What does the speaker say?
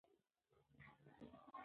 د خوراک وروسته خوله ومینځئ.